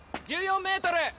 １４メートル。